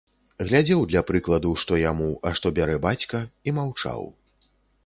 Глядзеў для прыкладу, што яму, а што бярэ бацька, і маўчаў.